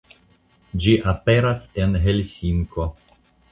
Ĝi aperas en Helsinko.